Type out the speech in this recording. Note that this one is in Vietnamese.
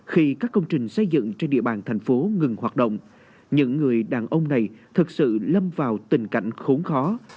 khi các công trình xây dựng trên địa bàn thành phố ngừng hoạt động những người đàn ông này thật sự lâm vào tình cảnh khốn khó